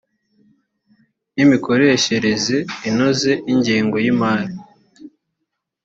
n imikoreshereze inoze y ingengo y imari